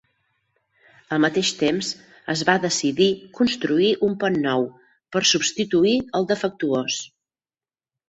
Al mateix temps, es va decidir construir un pont nou per substituir el defectuós.